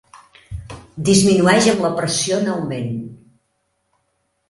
Disminueix amb la pressió en augment.